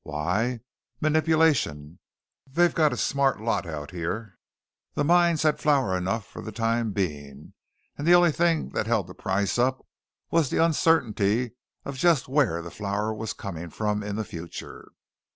Why? Manipulation. They've got a smart lot out here. The mines had flour enough for the time being; and the only thing that held the price up was the uncertainty of just where the flour was coming from in the future.